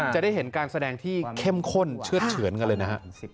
จะได้เห็นการแสดงที่เข้มข้นเชื่อดเฉือนกันเลยนะฮะ